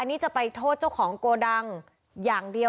นี่จะไปโทษเจ้าของโกดังอย่างเดียว